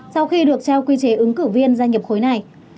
sau khi được trao quy chế ứng cử viên gia nhập khối này